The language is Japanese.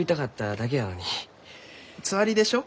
つわりでしょ？